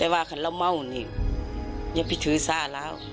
แต่ว่าครับเราเมาต์นี้ยังไปถือส้าแล้ว